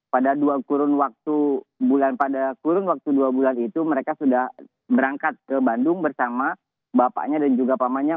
pada kurun waktu dua bulan itu mereka sudah berangkat ke bandung bersama bapaknya dan juga pamannya